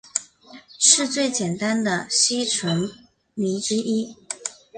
是最简单的烯醇醚之一。